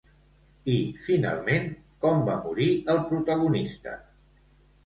I finalment, com va morir el protagonista?